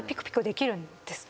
できるんですね。